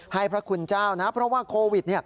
ให้พระคุณเจ้านะเพราะว่าโควิด